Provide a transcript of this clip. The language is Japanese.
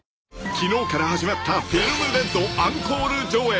［昨日から始まった『ＦＩＬＭＲＥＤ』アンコール上映］